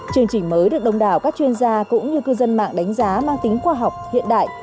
chương trình mới được đông đảo các chuyên gia cũng như cư dân mạng đánh giá mang tính khoa học hiện đại